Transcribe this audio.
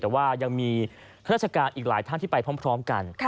แต่ว่ายังมีข้าราชการอีกหลายท่านที่ไปพร้อมกัน